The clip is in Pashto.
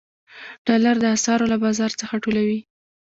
ډالر د اسعارو له بازار څخه ټولوي.